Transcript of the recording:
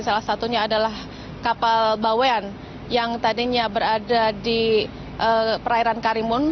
salah satunya adalah kapal bawean yang tadinya berada di perairan karimun